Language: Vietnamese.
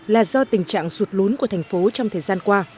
là do tình trạng sụt lún của thành phố trong thời gian qua